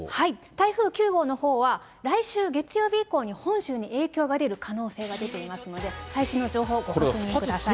台風９号のほうは、来週月曜日以降に本州に影響が出る可能性が出ていますので、最新の情報をご確認ください。